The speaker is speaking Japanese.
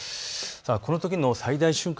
このときの最大瞬間